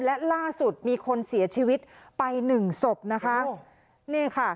และล่าสุดมีคนเสียชีวิตไปหนึ่งศพนะคะนี่ค่ะ